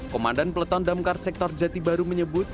komandan peleton damkar sektor jati baru menyebut